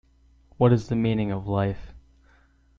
What is the meaning of life?